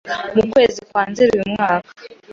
mu kwezi kwa Nzeri uyu mwaka